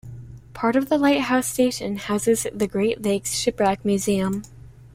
Part of the lighthouse station houses the Great Lakes Shipwreck Museum.